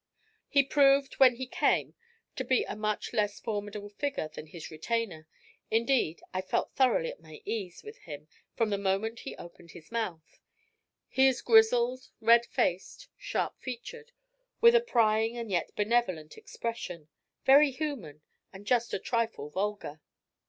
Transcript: He proved when he came to be a much less formidable figure than his retainer indeed, I felt thoroughly at my ease with him from the moment he opened his mouth. He is grizzled, red faced, sharp featured, with a prying and yet benevolent expression, very human and just a trifle vulgar.